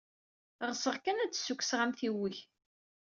Ɣseɣ kan ad d-ssukkseɣ amtiweg.